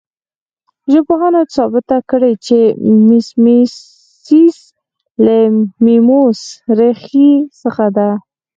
ژبپوهانو ثابته کړې چې میمیسیس له میموس ریښې څخه دی